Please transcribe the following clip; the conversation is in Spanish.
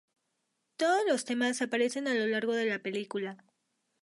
Todos los temas aparecen a lo largo de la película.